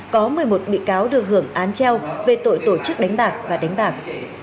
có một mươi một bị cáo được hưởng án treo về tội tổ chức đánh bạc và đánh bạc